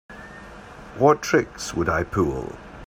What tricks would I pull?